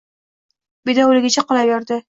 Bedovligicha qolaverdi